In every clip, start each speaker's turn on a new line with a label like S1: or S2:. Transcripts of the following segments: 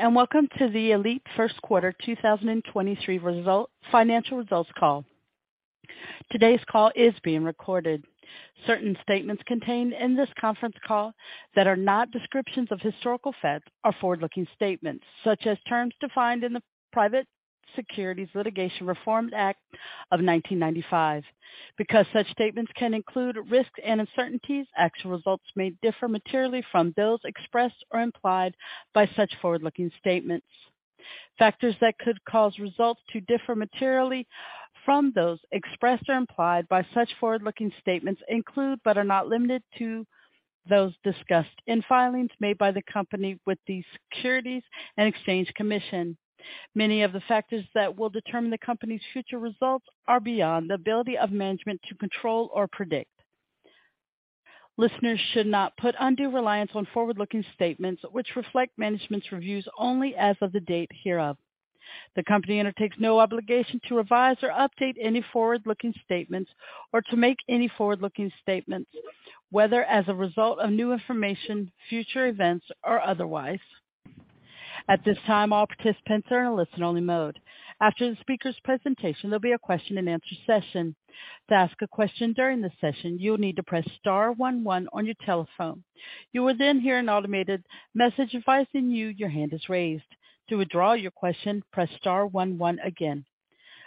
S1: Welcome to the ALLETE first quarter 2023 financial results call. Today's call is being recorded. Certain statements contained in this conference call that are not descriptions of historical facts are forward-looking statements, such as terms defined in the Private Securities Litigation Reform Act of 1995. Because such statements can include risks and uncertainties, actual results may differ materially from those expressed or implied by such forward-looking statements. Factors that could cause results to differ materially from those expressed or implied by such forward-looking statements include, but are not limited to, those discussed in filings made by the Company with the Securities and Exchange Commission. Many of the factors that will determine the Company's future results are beyond the ability of management to control or predict. Listeners should not put undue reliance on forward-looking statements, which reflect management's reviews only as of the date hereof. The Company undertakes no obligation to revise or update any forward-looking statements or to make any forward-looking statements, whether as a result of new information, future events, or otherwise. At this time, all participants are in a listen-only mode. After the speaker's presentation, there'll be a question-and-answer session. To ask a question during the session, you will need to press * one one on your telephone. You will then hear an automated message advising you your hand is raised. To withdraw your question, press * one one again.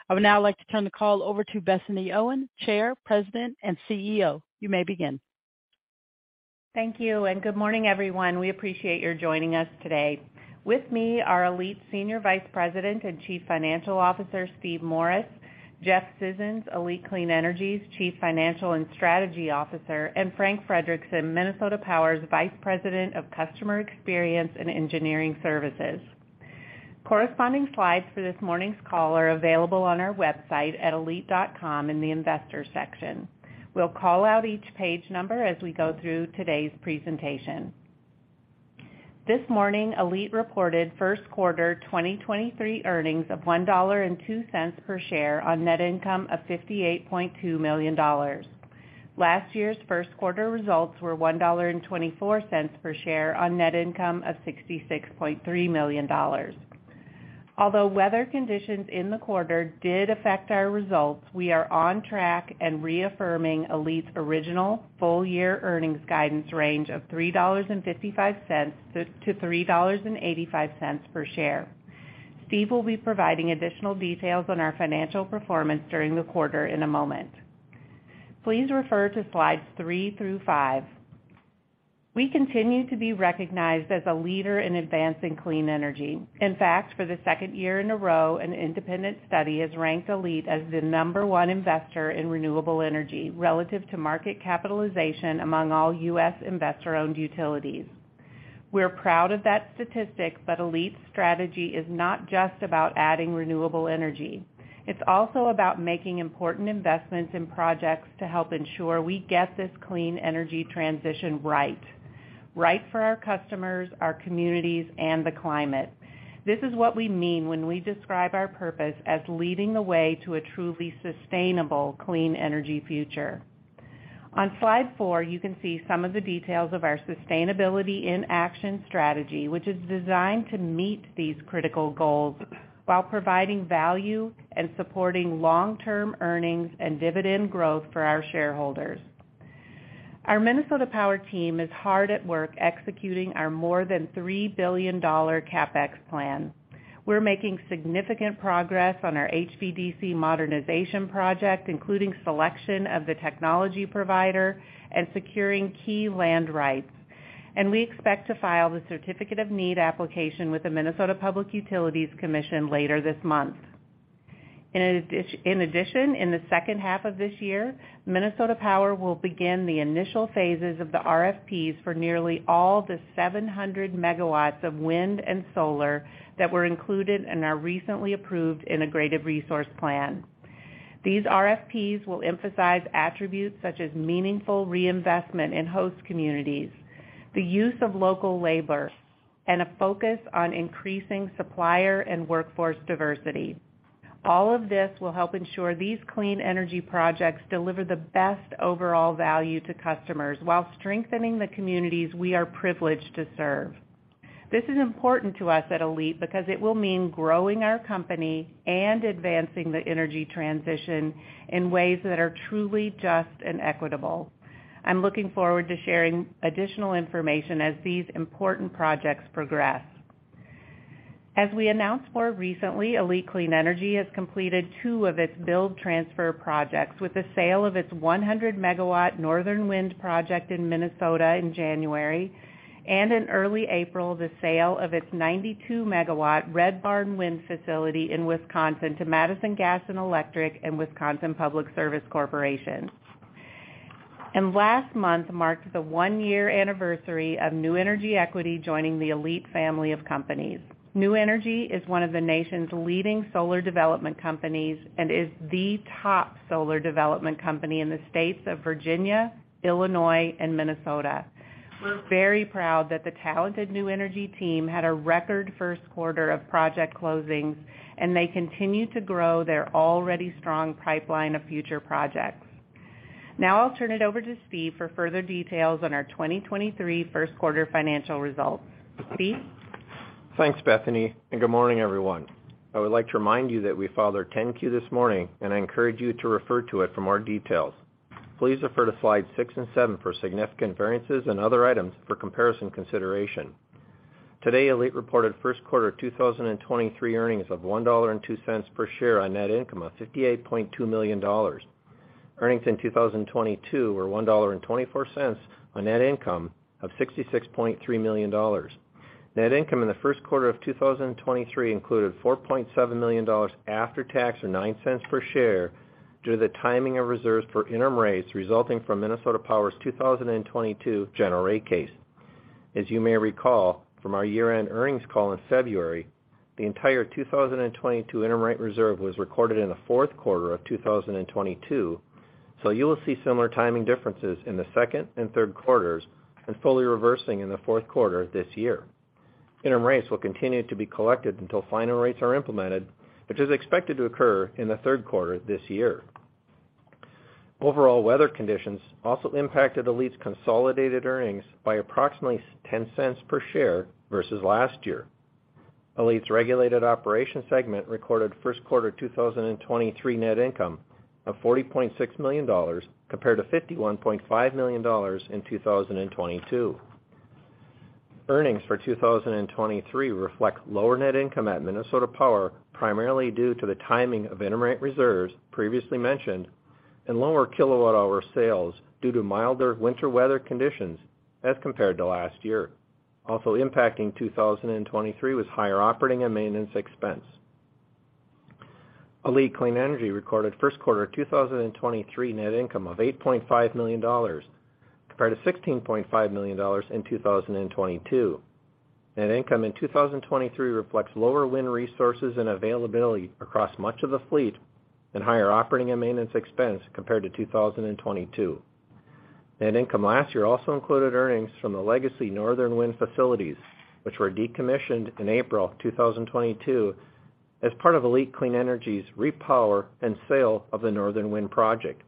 S1: I would now like to turn the call over to Bethany Owen, Chair, President, and CEO. You may begin.
S2: Thank you, and good morning, everyone. We appreciate your joining us today. With me are ALLETE's Senior Vice President and Chief Financial Officer, Steve Morris, Jeff Scissons, ALLETE Clean Energy's Chief Financial and Strategy Officer, and Frank Frederickson, Minnesota Power's Vice President of Customer Experience and Engineering Services. Corresponding slides for this morning's call are available on our website at allete.com in the Investors section. We'll call out each page number as we go through today's presentation. This morning, ALLETE reported first quarter 2023 earnings of $1.02 per share on net income of $58.2 million. Last year's first quarter results were $1.24 per share on net income of $66.3 million. Although weather conditions in the quarter did affect our results, we are on track and reaffirming ALLETE's original full-year earnings guidance range of $3.55-$3.85 per share. Steve will be providing additional details on our financial performance during the quarter in a moment. Please refer to slides three through five. We continue to be recognized as a leader in advancing clean energy. In fact, for the second year in a row, an independent study has ranked ALLETE as the number one investor in renewable energy relative to market capitalization among all U.S. investor-owned utilities. We're proud of that statistic, but ALLETE's strategy is not just about adding renewable energy. It's also about making important investments in projects to help ensure we get this clean energy transition right for our customers, our communities, and the climate. This is what we mean when we describe our purpose as leading the way to a truly sustainable clean energy future. On slide four, you can see some of the details of our Sustainability in Action strategy, which is designed to meet these critical goals while providing value and supporting long-term earnings and dividend growth for our shareholders. Our Minnesota Power team is hard at work executing our more than $3 billion CapEx plan. We're making significant progress on our HVDC modernization project, including selection of the technology provider and securing key land rights. We expect to file the Certificate of Need application with the Minnesota Public Utilities Commission later this month. In addition, in the second half of this year, Minnesota Power will begin the initial phases of the RFPs for nearly all the 700 MW of wind and solar that were included in our recently approved Integrated Resource Plan. These RFPs will emphasize attributes such as meaningful reinvestment in host communities, the use of local labor, and a focus on increasing supplier and workforce diversity. All of this will help ensure these clean energy projects deliver the best overall value to customers while strengthening the communities we are privileged to serve. This is important to us at ALLETE because it will mean growing our company and advancing the energy transition in ways that are truly just and equitable. I'm looking forward to sharing additional information as these important projects progress. As we announced more recently, ALLETE Clean Energy has completed two of its build-transfer projects with the sale of its 100 megawatt Northern Wind project in Minnesota in January. In early April, the sale of its 92 megawatt Red Barn Wind facility in Wisconsin to Madison Gas and Electric and Wisconsin Public Service Corporation. Last month marked the 1-year anniversary of New Energy Equity joining the ALLETE family of companies. New Energy is one of the nation's leading solar development companies and is the top solar development company in the states of Virginia, Illinois, and Minnesota. We're very proud that the talented New Energy team had a record first quarter of project closings. They continue to grow their already strong pipeline of future projects. Now I'll turn it over to Steve for further details on our 2023 first quarter financial results. Steve?
S3: Thanks, Bethany. Good morning, everyone. I would like to remind you that we filed our 10-Q this morning. I encourage you to refer to it for more details. Please refer to slide 6 and 7 for significant variances and other items for comparison consideration. Today, ALLETE reported first quarter 2023 earnings of $1.02 per share on net income of $58.2 million. Earnings in 2022 were $1.24 on net income of $66.3 million. Net income in the first quarter of 2023 included $4.7 million after tax, or $0.09 per share, due to the timing of reserves for interim rates resulting from Minnesota Power's 2022 general rate case. As you may recall from our year-end earnings call in February, the entire 2022 interim rate reserve was recorded in the fourth quarter of 2022. You will see similar timing differences in the second and third quarters and fully reversing in the fourth quarter this year. Interim rates will continue to be collected until final rates are implemented, which is expected to occur in the third quarter this year. Overall weather conditions also impacted ALLETE's consolidated earnings by approximately $0.10 per share versus last year. ALLETE's Regulated Operation segment recorded first quarter 2023 net income of $40.6 million, compared to $51.5 million in 2022. Earnings for 2023 reflect lower net income at Minnesota Power, primarily due to the timing of interim rate reserves previously mentioned and lower kilowatt-hour sales due to milder winter weather conditions as compared to last year. Also impacting 2023 was higher operating and maintenance expense. ALLETE Clean Energy recorded first quarter 2023 net income of $8.5 million, compared to $16.5 million in 2022. Net income in 2023 reflects lower wind resources and availability across much of the fleet and higher operating and maintenance expense compared to 2022. Net income last year also included earnings from the legacy Northern Wind facilities, which were decommissioned in April 2022 as part of ALLETE Clean Energy's repower and sale of the Northern Wind project.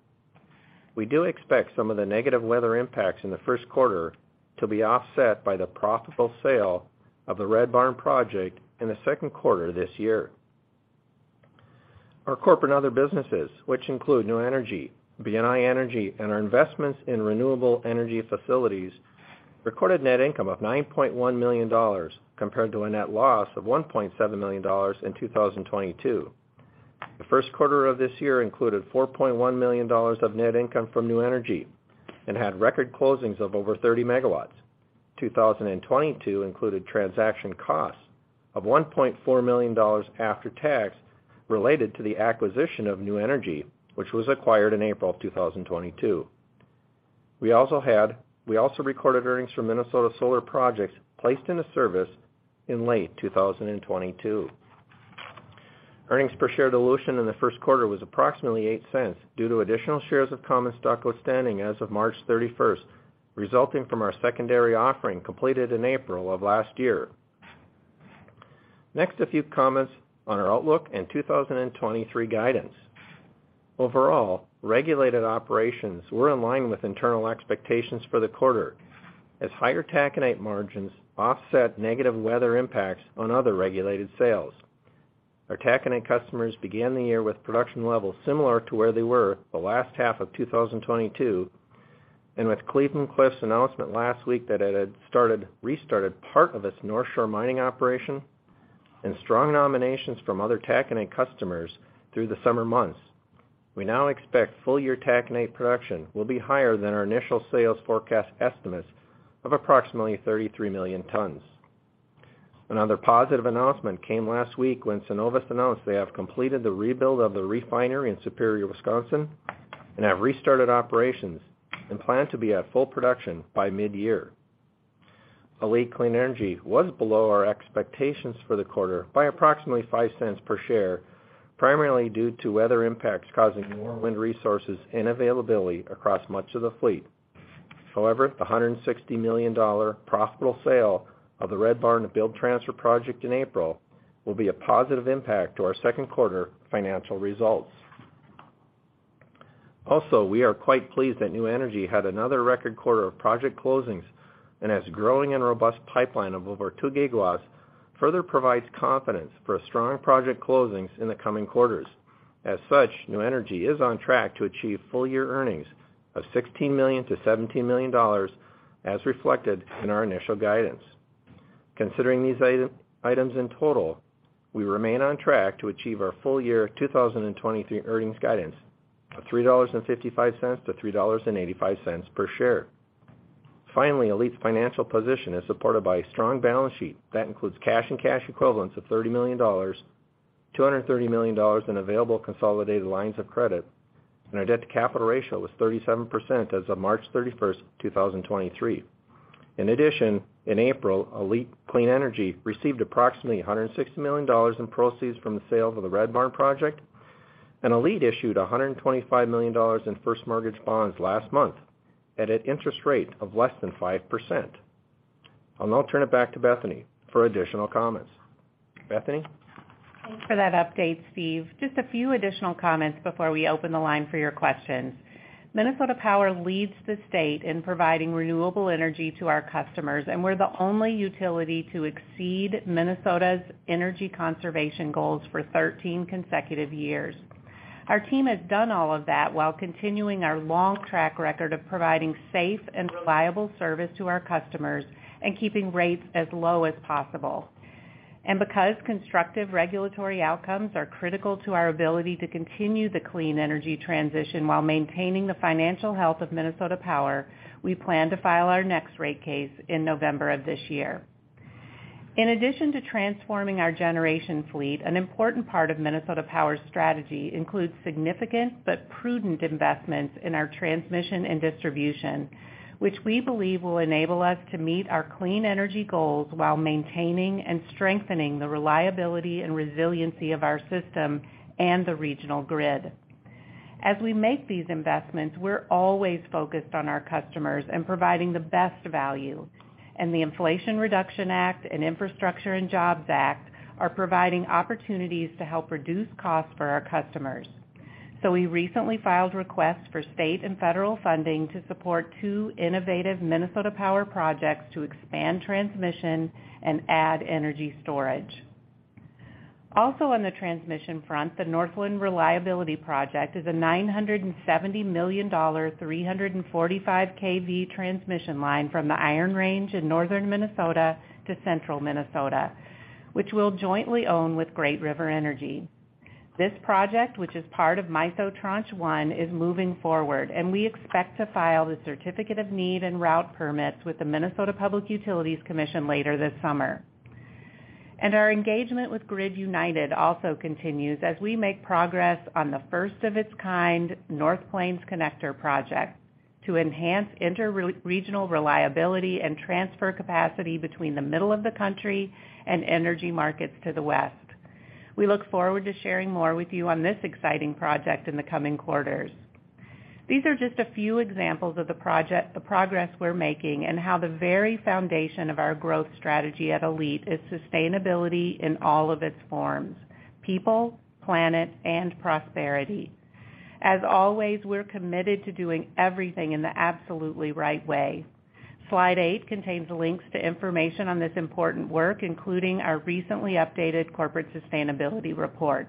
S3: We do expect some of the negative weather impacts in the first quarter to be offset by the profitable sale of the Red Barn project in the second quarter this year. Our corporate and other businesses, which include New Energy, BNI Energy, and our investments in renewable energy facilities, recorded net income of $9.1 million, compared to a net loss of $1.7 million in 2022. The first quarter of this year included $4.1 million of net income from New Energy and had record closings of over 30 megawatts. 2022 included transaction costs of $1.4 million after tax related to the acquisition of New Energy, which was acquired in April of 2022. We also recorded earnings from Minnesota solar projects placed into service in late 2022. Earnings per share dilution in the first quarter was approximately $0.08 due to additional shares of common stock outstanding as of March 31st, resulting from our secondary offering completed in April of last year. Next, a few comments on our outlook and 2023 guidance. Overall, regulated operations were in line with internal expectations for the quarter as higher taconite margins offset negative weather impacts on other regulated sales. Our taconite customers began the year with production levels similar to where they were the last half of 2022. With Cleveland-Cliffs' announcement last week that it had restarted part of its Northshore Mining operation and strong nominations from other taconite customers through the summer months, we now expect full-year taconite production will be higher than our initial sales forecast estimates of approximately 33 million tons. Another positive announcement came last week when Cenovus announced they have completed the rebuild of the refinery in Superior, Wisconsin, and have restarted operations and plan to be at full production by mid-year. ALLETE Clean Energy was below our expectations for the quarter by approximately $0.05 per share, primarily due to weather impacts causing lower wind resources and availability across much of the fleet. The $160 million profitable sale of the Red Barn build-transfer project in April will be a positive impact to our second quarter financial results. We are quite pleased that New Energy had another record quarter of project closings, and its growing and robust pipeline of over 2 GW further provides confidence for strong project closings in the coming quarters. New Energy is on track to achieve full-year earnings of $16 million-$17 million, as reflected in our initial guidance. Considering these items in total, we remain on track to achieve our full-year 2023 earnings guidance of $3.55-$3.85 per share. Finally, ALLETE's financial position is supported by a strong balance sheet that includes cash and cash equivalents of $30 million, $230 million in available consolidated lines of credit, and our debt-to-capital ratio was 37% as of March 31, 2023. In addition, in April, ALLETE Clean Energy received approximately $160 million in proceeds from the sale of the Red Barn project, and ALLETE issued $125 million in first mortgage bonds last month at an interest rate of less than 5%.
S4: I'll now turn it back to Bethany for additional comments. Bethany?
S2: Thanks for that update, Steve. Just a few additional comments before we open the line for your questions. Minnesota Power leads the state in providing renewable energy to our customers, and we're the only utility to exceed Minnesota's energy conservation goals for 13 consecutive years. Our team has done all of that while continuing our long track record of providing safe and reliable service to our customers and keeping rates as low as possible. Because constructive regulatory outcomes are critical to our ability to continue the clean energy transition while maintaining the financial health of Minnesota Power, we plan to file our next rate case in November of this year. In addition to transforming our generation fleet, an important part of Minnesota Power's strategy includes significant but prudent investments in our transmission and distribution, which we believe will enable us to meet our clean energy goals while maintaining and strengthening the reliability and resiliency of our system and the regional grid. As we make these investments, we're always focused on our customers and providing the best value. The Inflation Reduction Act and Infrastructure and Jobs Act are providing opportunities to help reduce costs for our customers. We recently filed requests for state and federal funding to support two innovative Minnesota Power projects to expand transmission and add energy storage. On the transmission front, the Northland Reliability Project is a $970 million, 345 kV transmission line from the Iron Range in northern Minnesota to central Minnesota, which we'll jointly own with Great River Energy. This project, which is part of MISO Tranche 1, is moving forward, and we expect to file the certificate of need and route permits with the Minnesota Public Utilities Commission later this summer. Our engagement with Grid United also continues as we make progress on the first-of-its-kind North Plains Connector project to enhance interregional reliability and transfer capacity between the middle of the country and energy markets to the west. We look forward to sharing more with you on this exciting project in the coming quarters. These are just a few examples of the progress we're making and how the very foundation of our growth strategy at ALLETE is sustainability in all of its forms: people, planet, and prosperity. As always, we're committed to doing everything in the absolutely right way. Slide 8 contains links to information on this important work, including our recently updated corporate sustainability report.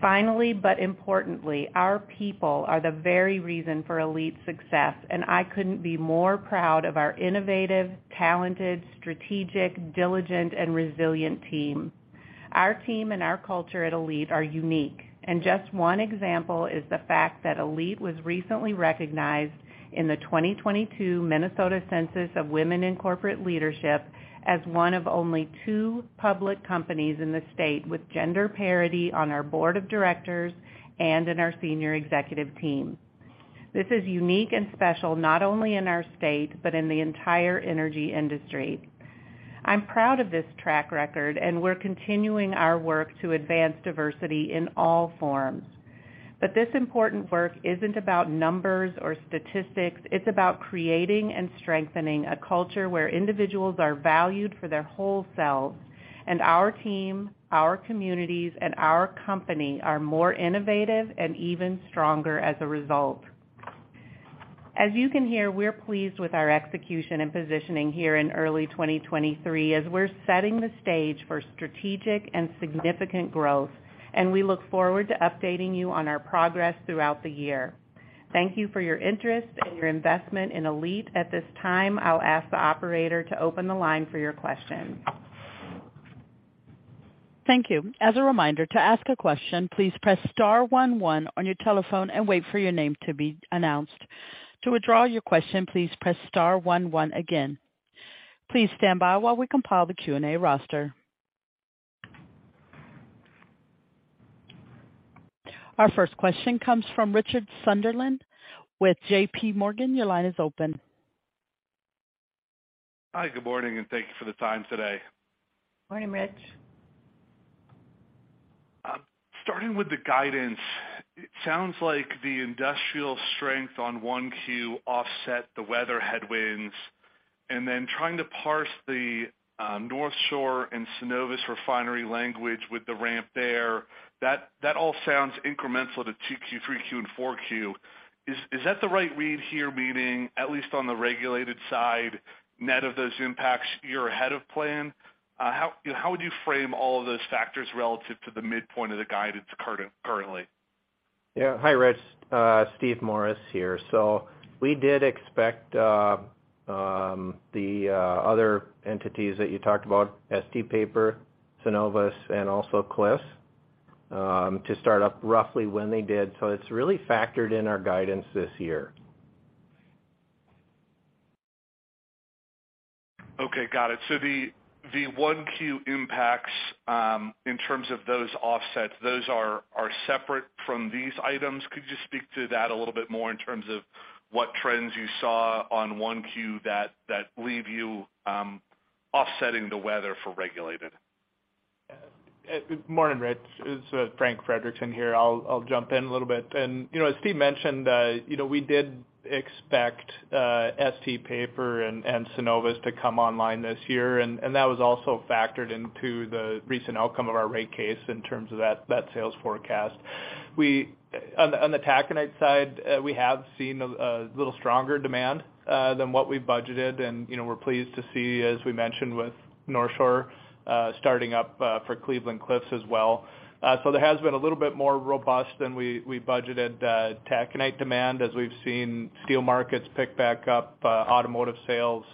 S2: Importantly, our people are the very reason for ALLETE's success, and I couldn't be more proud of our innovative, talented, strategic, diligent, and resilient team. Our team and our culture at ALLETE are unique, and just 1 example is the fact that ALLETE was recently recognized in the 2022 Minnesota Census of Women in Corporate Leadership as 1 of only 2 public companies in the state with gender parity on our board of directors and in our senior executive team. This is unique and special, not only in our state, but in the entire energy industry. I'm proud of this track record. We're continuing our work to advance diversity in all forms. This important work isn't about numbers or statistics. It's about creating and strengthening a culture where individuals are valued for their whole selves, and our team, our communities, and our company are more innovative and even stronger as a result. As you can hear, we're pleased with our execution and positioning here in early 2023 as we're setting the stage for strategic and significant growth. We look forward to updating you on our progress throughout the year. Thank you for your interest and your investment in ALLETE. At this time, I'll ask the operator to open the line for your questions.
S1: Thank you. As a reminder, to ask a question, please press * one one on your telephone and wait for your name to be announced. To withdraw your question, please press * one one again. Please stand by while we compile the Q&A roster. Our first question comes from Richard Sunderland with JP Morgan. Your line is open.
S4: Hi, good morning, and thank you for the time today.
S2: Morning, Rich.
S4: Starting with the guidance, it sounds like the industrial strength on 1Q offset the weather headwinds, and then trying to parse the Northshore and Cenovus refinery language with the ramp there, that all sounds incremental to 2Q, 3Q, and 4Q. Is that the right read here? Meaning, at least on the regulated side, net of those impacts, you're ahead of plan. How would you frame all of those factors relative to the midpoint of the guidance currently? Yeah. Hi, Rich. Steve Morris here. We did expect the other entities that you talked about, ST Paper, Cenovus, and also Cliffs, to start up roughly when they did. It's really factored in our guidance this year.
S2: Okay. Got it. The, the one Q impacts, in terms of those offsets, those are separate from these items. Could you just speak to that a little bit more in terms of what trends you saw on one Q that leave you offsetting the weather for regulated?
S5: Good morning, Rich. It's Frank Frederickson here. I'll jump in a little bit. You know, as Steve mentioned, you know, we did expect ST Paper and Cenovus to come online this year, and that was also factored into the recent outcome of our rate case in terms of that sales forecast. On the taconite side, we have seen a little stronger demand than what we budgeted. You know, we're pleased to see, as we mentioned with Northshore, starting up for Cleveland-Cliffs as well. There has been a little bit more robust than we budgeted, taconite demand as we've seen steel markets pick back up, automotive sales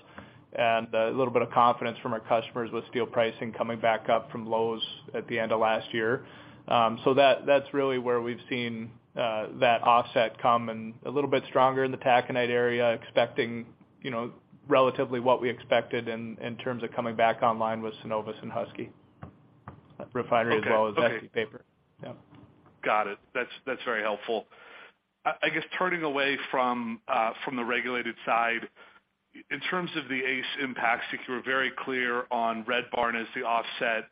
S5: and a little bit of confidence from our customers with steel pricing coming back up from lows at the end of last year. That's really where we've seen that offset come and a little bit stronger in the taconite area, expecting, you know, relatively what we expected in terms of coming back online with Cenovus and Husky Refinery as well as ST Paper. Yeah.
S4: Got it. That's very helpful. I guess turning away from the regulated side, in terms of the ACE impact, since you were very clear on Red Barn as the offset,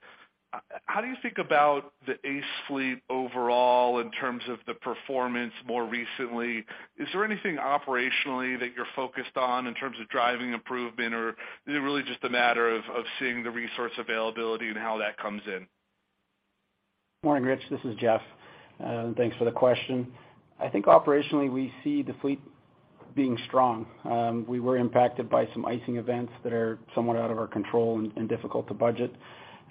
S4: how do you think about the ACE fleet overall in terms of the performance more recently? Is there anything operationally that you're focused on in terms of driving improvement or is it really just a matter of seeing the resource availability and how that comes in?
S6: Morning, Rich. This is Jeff. Thanks for the question. I think operationally, we see the fleet being strong. We were impacted by some icing events that are somewhat out of our control and difficult to budget.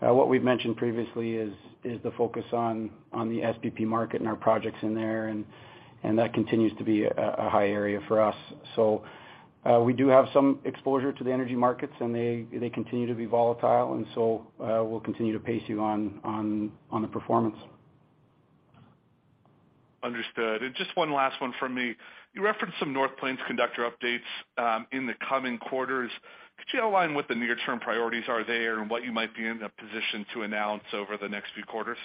S6: What we've mentioned previously is the focus on the SPP market and our projects in there, and that continues to be a high area for us. We do have some exposure to the energy markets, and they continue to be volatile. We'll continue to pace you on the performance.
S4: Understood. Just one last one from me. You referenced some North Plains Connector updates in the coming quarters. Could you outline what the near-term priorities are there and what you might be in a position to announce over the next few quarters?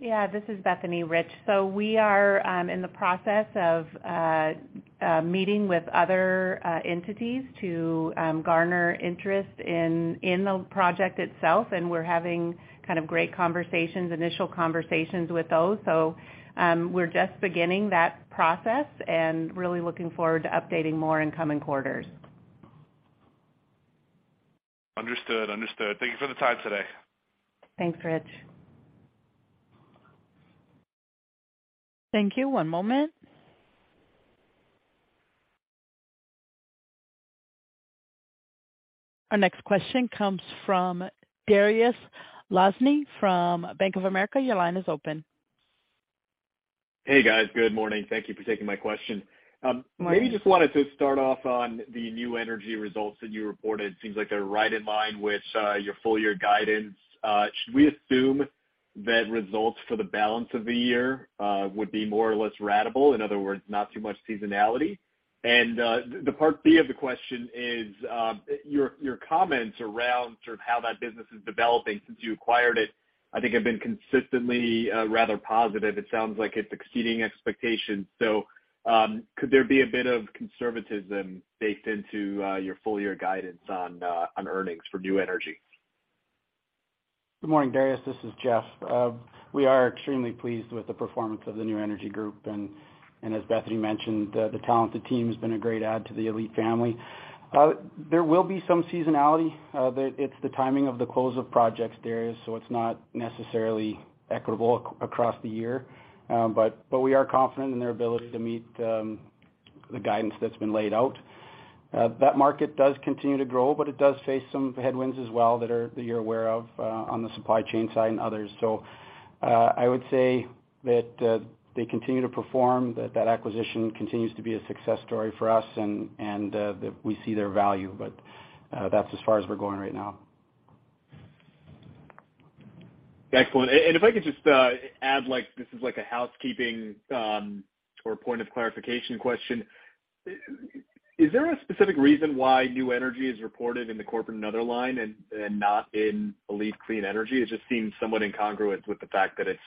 S2: Yeah, this is Bethany, Rich. We are in the process of meeting with other entities to garner interest in the project itself, and we're having kind of great conversations, initial conversations with those. We're just beginning that process and really looking forward to updating more in coming quarters.
S4: Understood, understood. Thank you for the time today.
S2: Thanks, Rich.
S5: Thank you. One moment. Our next question comes from Dariusz Lozny from Bank of America. Your line is open.
S7: Hey, guys. Good morning. Thank you for taking my question.
S5: Morning.
S7: Maybe just wanted to start off on the New Energy results that you reported. Seems like they're right in line with your full year guidance. Should we assume that results for the balance of the year would be more or less ratable? In other words, not too much seasonality. The part B of the question is your comments around sort of how that business is developing since you acquired it, I think, have been consistently rather positive. It sounds like it's exceeding expectations. Could there be a bit of conservatism baked into your full year guidance on earnings for New Energy?
S6: Good morning, Dariusz. This is Jeff. We are extremely pleased with the performance of the New Energy Group. As Bethany mentioned, the talented team has been a great add to the ALLETE family. There will be some seasonality, it's the timing of the close of projects, Dariusz, so it's not necessarily equitable across the year. We are confident in their ability to meet the guidance that's been laid out. That market does continue to grow, it does face some headwinds as well that you're aware of on the supply chain side and others. I would say that they continue to perform, that acquisition continues to be a success story for us and that we see their value. That's as far as we're going right now.
S7: Excellent. If I could just add, like, this is like a housekeeping or point of clarification question. Is there a specific reason why New Energy is reported in the corporate and other line and not in ALLETE Clean Energy? It just seems somewhat incongruent with the fact that it's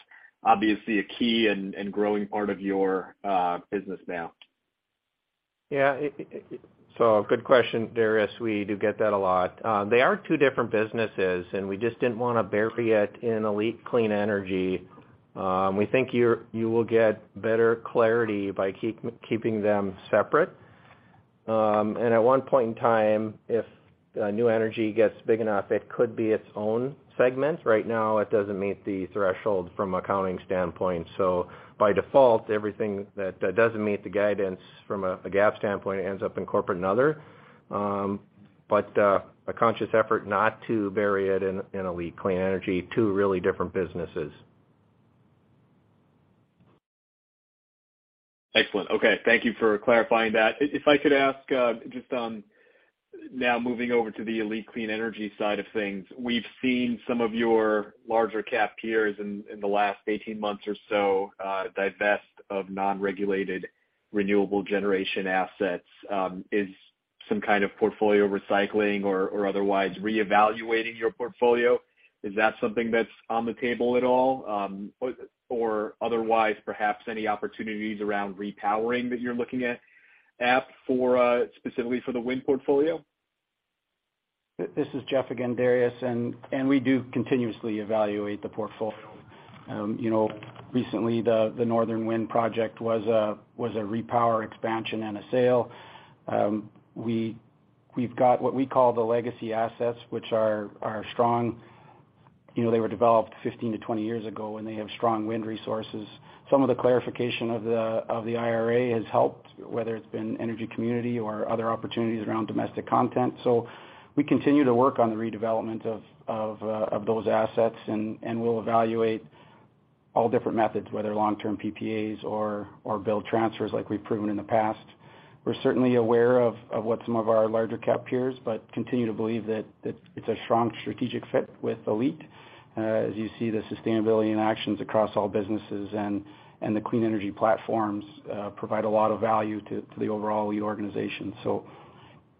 S7: obviously a key and growing part of your business now.
S5: Yeah. It... Good question, Darius. We do get that a lot. They are two different businesses, and we just didn't wanna bury it in ALLETE Clean Energy. We think you will get better clarity by keeping them separate. At one point in time, if New Energy gets big enough, it could be its own segment. Right now, it doesn't meet the threshold from accounting standpoint. By default, everything that doesn't meet the guidance from a GAAP standpoint ends up in corporate and other. A conscious effort not to bury it in ALLETE Clean Energy, two really different businesses.
S7: Excellent. Okay, thank you for clarifying that. If I could ask, just on now moving over to the ALLETE Clean Energy side of things. We've seen some of your larger cap peers in the last 18 months or so, divest of non-regulated renewable generation assets. Is some kind of portfolio recycling or otherwise reevaluating your portfolio, is that something that's on the table at all? Otherwise perhaps any opportunities around repowering that you're looking at?
S5: App for specifically for the wind portfolio?
S6: This is Jeff again, Darius. We do continuously evaluate the portfolio. You know, recently the Northern Wind project was a repower expansion and a sale. We've got what we call the legacy assets, which are strong. You know, they were developed 15 to 20 years ago, and they have strong wind resources. Some of the clarification of the IRA has helped, whether it's been energy community or other opportunities around domestic content. We continue to work on the redevelopment of those assets, and will evaluate all different methods, whether long-term PPAs or build-transfers like we've proven in the past. We're certainly aware of what some of our larger cap peers, but continue to believe that it's a strong strategic fit with ALLETE, as you see the sustainability and actions across all businesses and the clean energy platforms, provide a lot of value to the overall ALLETE organization.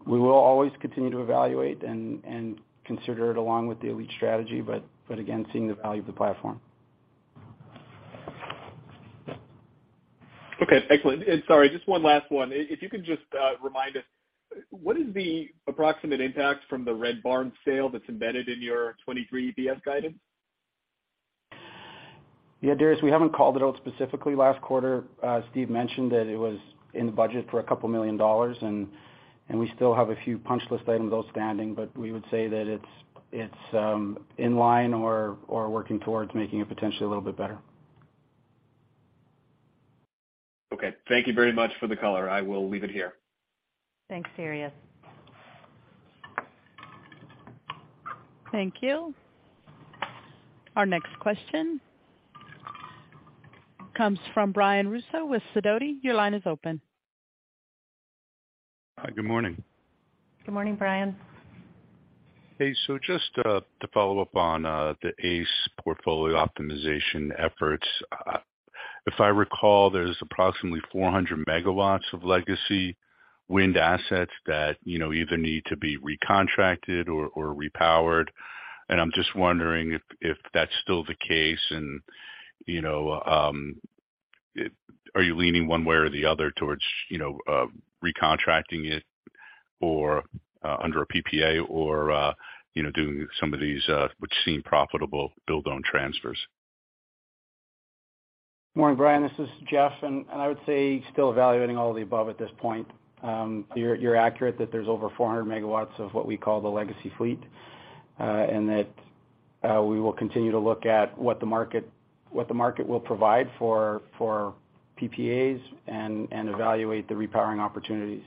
S6: We will always continue to evaluate and consider it along with the ALLETE strategy, but again, seeing the value of the platform.
S5: Okay. Excellent. Sorry, just one last one. If you could just remind us, what is the approximate impact from the Red Barn sale that's embedded in your 23 EPS guidance?
S6: Darius, we haven't called it out specifically last quarter. Steve mentioned that it was in budget for a couple million dollars, and we still have a few punch list items outstanding, but we would say that it's in line or working towards making it potentially a little bit better.
S5: Okay. Thank you very much for the color. I will leave it here.
S1: Thanks, Darius. Thank you. Our next question comes from Brian Russo with Sidoti. Your line is open.
S8: Hi. Good morning.
S1: Good morning, Brian.
S8: Hey. Just to follow up on the ACE portfolio optimization efforts. If I recall, there's approximately 400 megawatts of legacy wind assets that, you know, either need to be recontracted or repowered. I'm just wondering if that's still the case. You know, are you leaning one way or the other towards, you know, recontracting it or under a PPA or, you know, doing some of these, which seem profitable build own transfers?
S6: Morning, Brian, this is Jeff. I would say still evaluating all the above at this point. You're accurate that there's over 400 megawatts of what we call the legacy fleet. That we will continue to look at what the market will provide for PPAs and evaluate the repowering opportunities.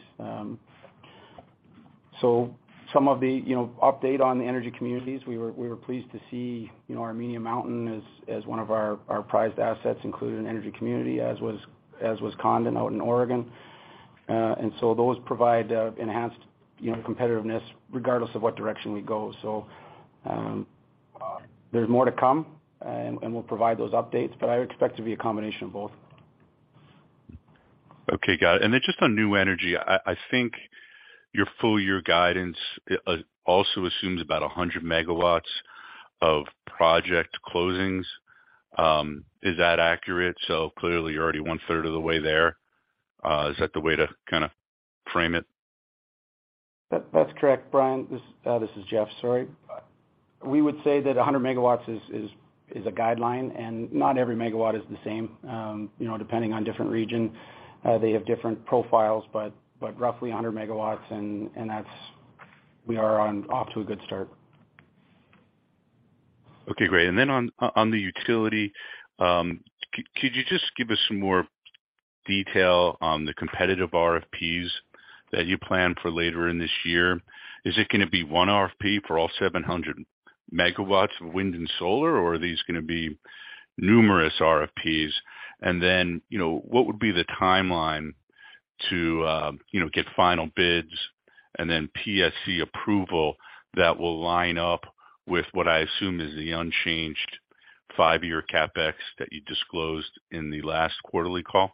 S6: Some of the, you know, update on the energy communities. We were pleased to see, you know, Armenia Mountain as one of our prized assets included in energy community, as was Condon out in Oregon. Those provide enhanced, you know, competitiveness regardless of what direction we go. There's more to come and we'll provide those updates, but I would expect to be a combination of both.
S8: Okay. Got it. Then just on New Energy, I think your full year guidance also assumes about 100 megawatts of project closings. Is that accurate? Clearly you're already 1/3 of the way there. Is that the way to kind of frame it?
S6: That's correct, Brian. This is Jeff. Sorry. We would say that 100 megawatts is a guideline, and not every megawatt is the same. You know, depending on different region, they have different profiles, but roughly 100 megawatts and that's we are off to a good start.
S8: Okay, great. On the utility, could you just give us some more detail on the competitive RFPs that you plan for later in this year? Is it gonna be one RFP for all 700 megawatts of wind and solar, or are these gonna be numerous RFPs? You know, what would be the timeline to, you know, get final bids and then PSC approval that will line up with what I assume is the unchanged 5-year CapEx that you disclosed in the last quarterly call?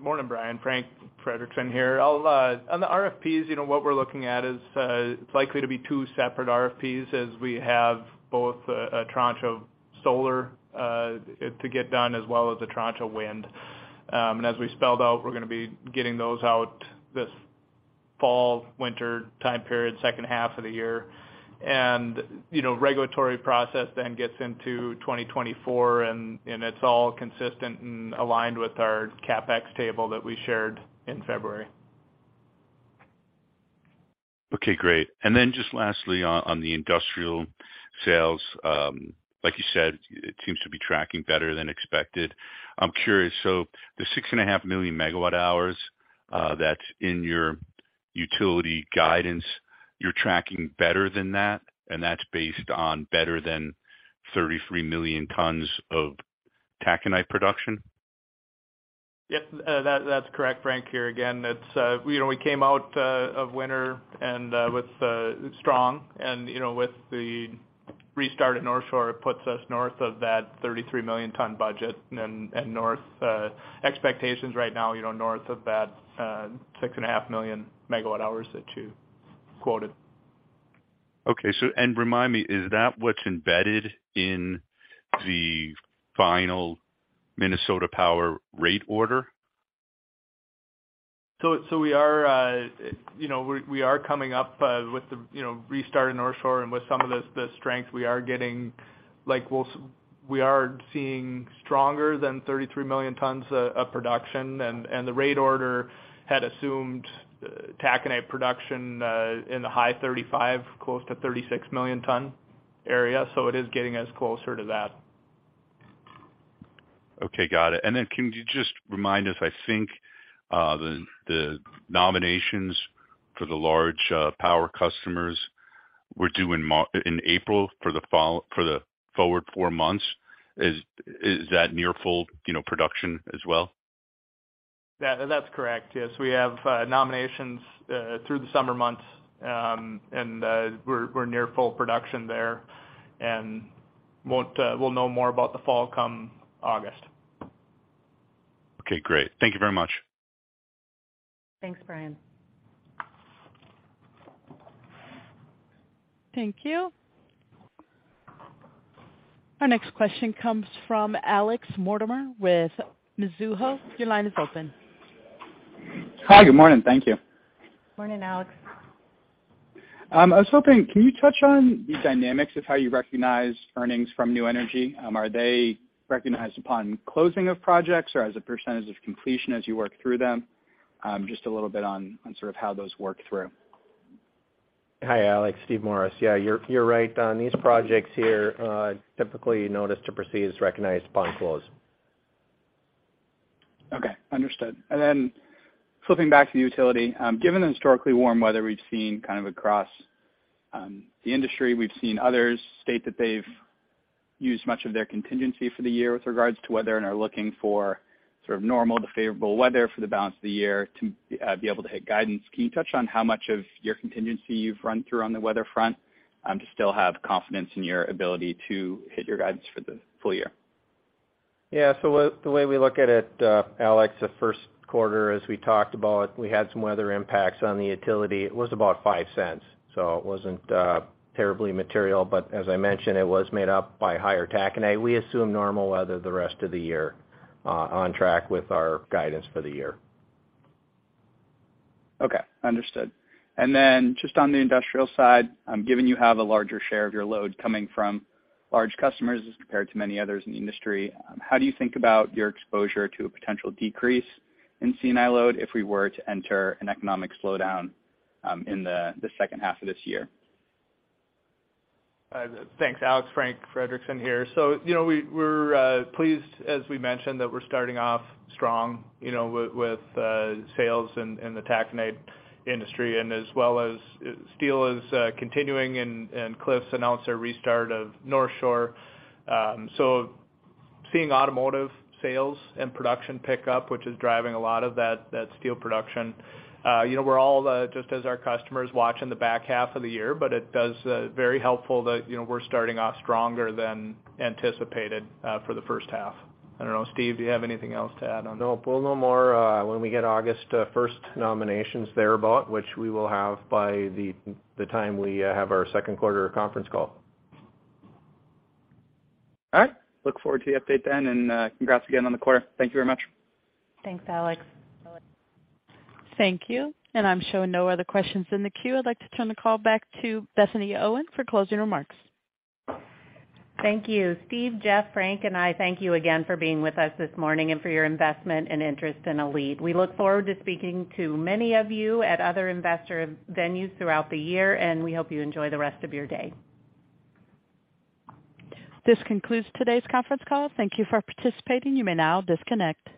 S5: Morning, Brian. Frank Frederickson here. I'll on the RFPs, you know, what we're looking at is, it's likely to be two separate RFPs as we have both a tranche of solar to get done as well as a tranche of wind. As we spelled out, we're gonna be getting those out this fall, winter time period, second half of the year. You know, regulatory process then gets into 2024, and it's all consistent and aligned with our CapEx table that we shared in February.
S8: Okay, great. Just lastly on the industrial sales, like you said, it seems to be tracking better than expected. I'm curious, the 6.5 million megawatt hours that's in your utility guidance, you're tracking better than that? That's based on better than 33 million tons of taconite production?
S5: Yep. That's correct. Frank here again. You know, we came out of winter and with strong and, you know, with the restart at Northshore, it puts us north of that 33 million ton budget and north expectations right now, you know, north of that 6.5 million megawatt hours that you quoted.
S8: Okay. Remind me, is that what's embedded in the final Minnesota Power rate order?
S5: We are, you know, we are coming up with the, you know, restart in Northshore and with some of the strength we are getting, like we are seeing stronger than 33 million tons of production and the rate order had assumed taconite production in the high 35, close to 36 million ton area. It is getting us closer to that.
S8: Okay, got it. Can you just remind us, I think, the nominations for the large power customers were due in April for the forward four months. Is that near full, you know, production as well?
S5: That's correct. Yes. We have nominations through the summer months. We're near full production there, and we'll know more about the fall come August.
S8: Okay, great. Thank you very much.
S2: Thanks, Brian.
S1: Thank you. Our next question comes from Alex Mortimer with Mizuho. Your line is open.
S9: Hi. Good morning. Thank you.
S2: Morning, Alex.
S9: I was hoping, can you touch on the dynamics of how you recognize earnings from NewEnergy? Are they recognized upon closing of projects or as a percentage of completion as you work through them? Just a little bit on sort of how those work through.
S3: Hi, Alex. Steve Morris. Yeah, you're right on these projects here, typically notice to proceed is recognized upon close.
S9: Okay. Understood. Flipping back to the utility, given the historically warm weather we've seen kind of across the industry, we've seen others state that they've used much of their contingency for the year with regards to weather and are looking for sort of normal to favorable weather for the balance of the year to be able to hit guidance. Can you touch on how much of your contingency you've run through on the weather front, to still have confidence in your ability to hit your guidance for the full year?
S3: Yeah. The, the way we look at it, Alex, the first quarter, as we talked about, we had some weather impacts on the utility. It was about $0.05, so it wasn't terribly material. As I mentioned, it was made up by higher taconite. We assume normal weather the rest of the year, on track with our guidance for the year.
S9: Okay. Understood. Just on the industrial side, given you have a larger share of your load coming from large customers as compared to many others in the industry, how do you think about your exposure to a potential decrease in C&I load if we were to enter an economic slowdown in the second half of this year?
S5: Thanks, Alex. Frank Frederickson here. you know, we're pleased, as we mentioned, that we're starting off strong, you know, with sales in the taconite industry and as well as steel is continuing and Cliffs announced their restart of Northshore. Seeing automotive sales and production pick up, which is driving a lot of that steel production, you know, we're all just as our customers watching the back half of the year, but it does very helpful that, you know, we're starting off stronger than anticipated for the first half. I don't know. Steve, do you have anything else to add on?
S3: Nope. We'll know more, when we get August, first nominations thereabout, which we will have by the time we, have our second quarter conference call.
S9: All right. Look forward to the update then, congrats again on the quarter. Thank you very much.
S2: Thanks, Alex.
S1: Thank you. I'm showing no other questions in the queue. I'd like to turn the call back to Bethany Owen for closing remarks.
S2: Thank you. Steve, Jeff, Frank, and I thank you again for being with us this morning and for your investment and interest in ALLETE. We look forward to speaking to many of you at other investor venues throughout the year, and we hope you enjoy the rest of your day.
S1: This concludes today's conference call. Thank you for participating. You may now disconnect.